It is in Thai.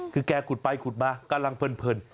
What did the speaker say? คือแกขุดไปขุดมากำลังเพลิน